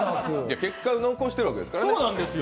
結果を残してるわけですからね。